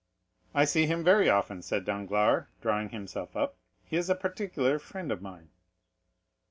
"I see him very often," said Danglars, drawing himself up; "he is a particular friend of mine."